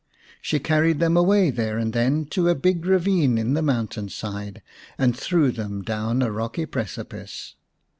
She carried them away there and then to a big ravine in the mountain side and threw them down a rocky precipice.